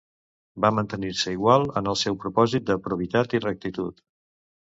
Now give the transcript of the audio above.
Va mantenir-se sense igual en el seu propòsit de probitat i rectitud.